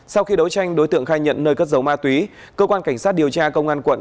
sau khi đấu tranh đối tượng khai nhận nơi cất giấu ma túy cơ quan cảnh sát điều tra công an quận